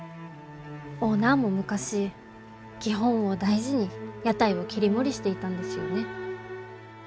オーナーも昔基本を大事に屋台を切り盛りしていたんですよね。